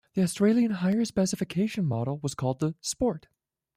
The Australian higher specification model was called the "Sport".